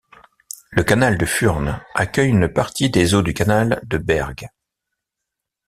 Le canal de Furnes accueille une partie des eaux du canal de Bergues.